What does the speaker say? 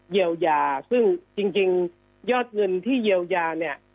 เยียวยาซึ่งจริงยอดเงินที่เยียวยาเนี่ย